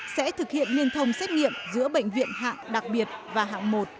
sẽ thực hiện liên thông xét nghiệm giữa bệnh viện hạng đặc biệt và hạng một